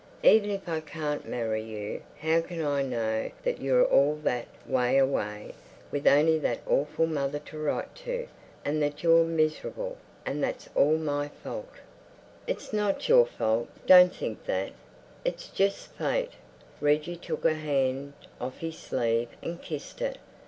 "Even if I can't marry you, how can I know that you're all that way away, with only that awful mother to write to, and that you're miserable, and that it's all my fault?" "It's not your fault. Don't think that. It's just fate." Reggie took her hand off his sleeve and kissed it.